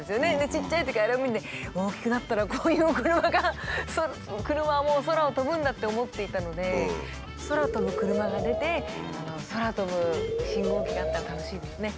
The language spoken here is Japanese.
ちっちゃいときあれを見て大きくなったらこういう車が車も空を飛ぶんだって思っていたので空飛ぶ車が出て空飛ぶ信号機があったら楽しいですね。